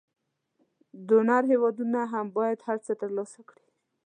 ډونر هېوادونه هم باید یو څه تر لاسه کړي.